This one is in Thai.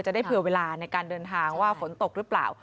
ได้เผื่อเวลาในการเดินทางว่าฝนตกหรือเปล่า